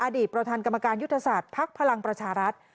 อดีตประธานกรรมการยุทธศาสตร์ภักดิ์พลังประชารัฐ